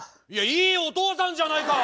いいお父さんじゃないか！